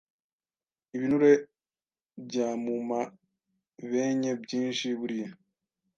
Ibinure byamumabenye byinshi buriya